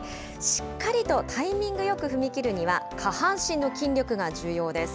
しっかりとタイミングよく踏み切るには、下半身の筋力が重要です。